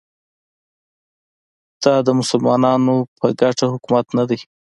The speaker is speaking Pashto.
دا د مسلمانانو په ګټه حکومت نه دی